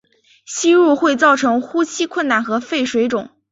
吸入会造成呼吸困难和肺水肿。